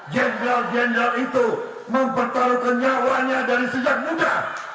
jenderal jenderal itu mempertaruhkan nyawanya dari sejak muda